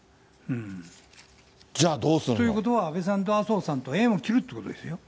どう考えても。ということは、安倍さんと麻生さんと縁を切るということですよ。